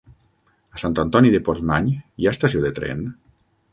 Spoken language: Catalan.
A Sant Antoni de Portmany hi ha estació de tren?